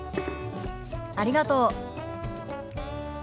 ありがとう。